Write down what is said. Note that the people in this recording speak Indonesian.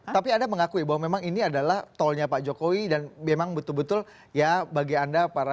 tapi anda mengakui bahwa memang ini adalah tolnya pak jokowi dan memang betul betul ya bagi anda para